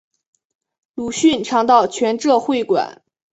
鲁迅常到全浙会馆。